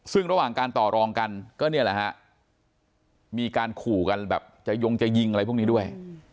ซึ่งระหว่างการต่อรองกันมีการขูกันจะยงอะไรพวกนี้ด้วย